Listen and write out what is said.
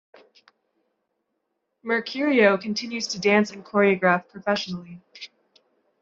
Mercurio continues to dance and choreograph professionally.